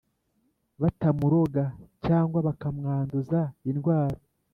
batamuroga cyangwa bakamwanduza indwara.